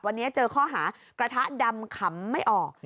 วันนี้เจอข้อหากระทะดำขำไม่ออก